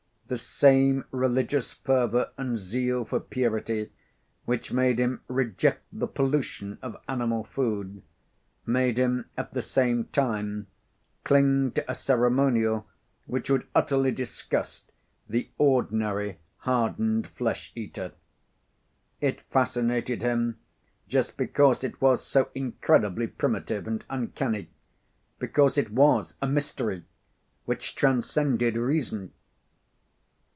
The same religious fervour and zeal for purity which made him reject the pollution of animal food, made him at the same time cling to a ceremonial which would utterly disgust the ordinary hardened flesh eater. It fascinated him just because it was so incredibly primitive and uncanny; because it was a mystery which transcended reason!